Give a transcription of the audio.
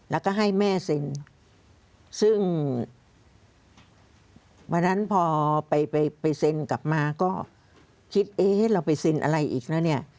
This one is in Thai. แล้วก็ให้แม่เซ็นซึ่งวันนั้นพอไปไปเซ็นกลับมาก็คิดเอ๊ะเราไปเซ็นอะไรอีกนะเนี่ย